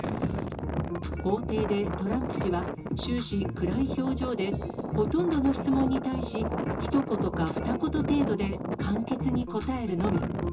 法廷でトランプ氏は、終始、暗い表情で、ほとんどの質問に対し、ひと言か二言程度で、簡潔に答えるのみ。